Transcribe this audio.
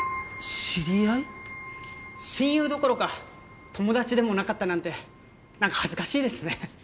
親友どころか友達でもなかったなんて何か恥ずかしいですね。